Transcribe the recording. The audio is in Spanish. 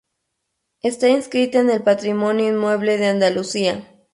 Está inscrita en el Patrimonio Inmueble de Andalucía